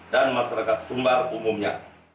dan masyarakat sumbar umumnya